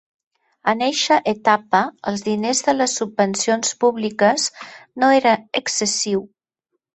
En eixa etapa, els diners de les subvencions públiques no era excessiu.